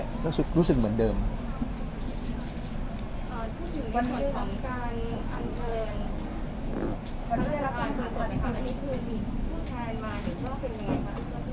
คุณค่ะคุณคิดถึงวันสุดของการอันเวิร์น